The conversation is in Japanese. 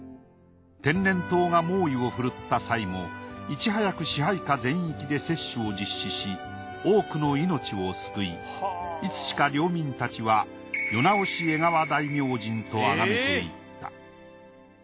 天然痘が猛威を振るった際もいち早く支配下全域で接種を実施し多くの命を救いいつしか領民たちは世直し江川大明神とあがめていった。